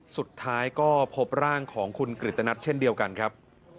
สุดท้ายก็พบร่างของคุณกริตนัทเช่นเดียวกันครับ